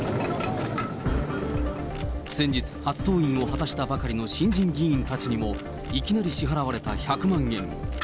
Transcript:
先日、初登院を果たしたばかりの新人議員たちにも、いきなり支払われた１００万円。